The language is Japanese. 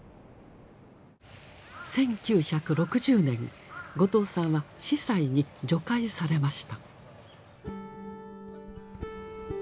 １９６０年後藤さんは司祭に叙階されました。